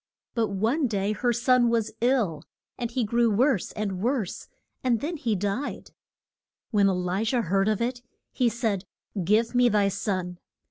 But one day her son was ill, and he grew worse and worse, and then died. When E li jah heard of it, he said, Give me thy son.